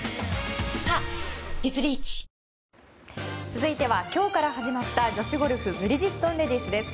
続いては今日から始まった女子ゴルフブリヂストンレディスです。